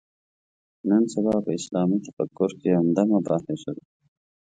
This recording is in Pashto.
نن سبا په اسلامي تفکر کې عمده مباحثو ده.